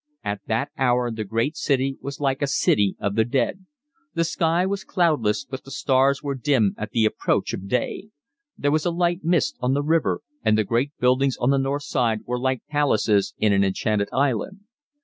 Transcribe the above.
At that hour the great city was like a city of the dead. The sky was cloudless, but the stars were dim at the approach of day; there was a light mist on the river, and the great buildings on the north side were like palaces in an enchanted island.